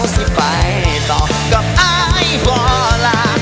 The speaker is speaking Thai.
สิไปต่อกับไอ้บ่อล่ะ